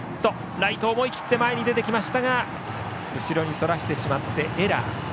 ライトが思い切って前に出ましたが後ろにそらしてしまってエラー。